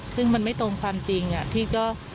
ซึ่งมันไม่ตรงความจริงพี่ก็